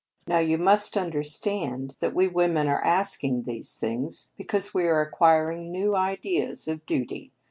"Now, you must understand that we women are asking these things because we are acquiring new ideas of duty.